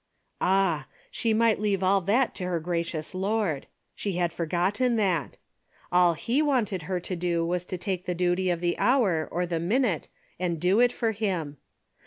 Ah ! She might leave all that to her gracious Lord. She had forgotten that. All he wanted her to do was to take the duty of the hour or the minute and do it for him.